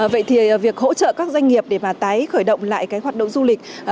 vậy thì việc hỗ trợ các doanh nghiệp để mà tái khởi động lại cái hoạt động du lịch